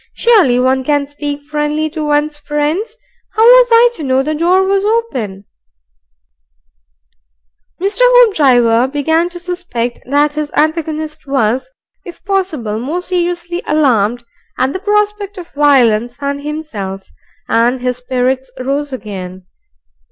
"Surely one can speak friendly to one's friends. How was I to know the door was open " Hoopdriver began to suspect that his antagonist was, if possible, more seriously alarmed at the prospect of violence than himself, and his spirits rose again.